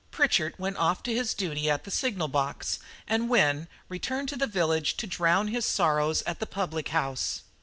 Pritchard went off to his duty at the signal box and Wynne returned to the village to drown his sorrows at the public house.